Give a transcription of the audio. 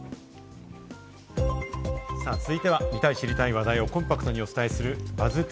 続いては、見たい、知りたい話題をコンパクトにお伝えするＢＵＺＺ